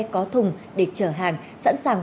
có thùng để chở hàng sẵn sàng